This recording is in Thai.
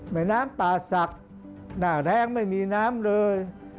แม่น้ำป่าศักดิ์หน้าแรงไม่มีน้ำเลย